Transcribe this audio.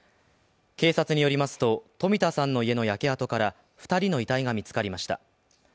警察によりますと、冨田さんの家の焼け跡から２人の遺体が見つかりました。